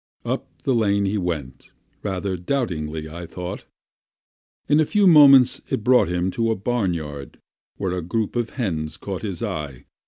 Up the lane he went, rather doubtingly, I thought. In a few moments it brought him into a barnyard, where a group of hens caught his eye.